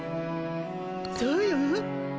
そうよ。